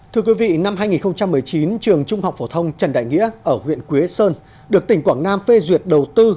thưa quý vị năm hai nghìn một mươi chín trường trung học phổ thông trần đại nghĩa ở huyện quế sơn được tỉnh quảng nam phê duyệt đầu tư